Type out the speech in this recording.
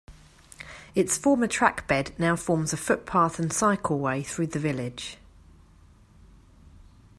Its former trackbed now forms a footpath and cycleway through the village.